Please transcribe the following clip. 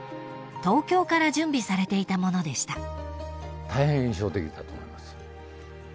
［東京から準備されていたものでした］